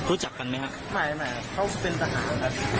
รู้จักกันไหมครับไม่ไม่เขาเป็นทหารครับ